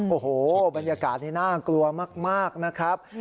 โอ้โหบรรยากาศนี้น่ากลัวมากนะครับ